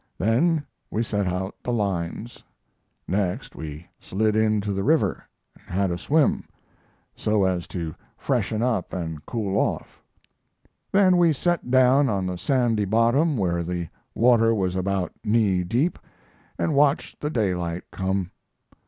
Then we set out the lines. Next we slid into the river and had a swim, so as to freshen up and cool off; then we set down on the sandy bottom where the water was about knee deep, and watched the daylight come.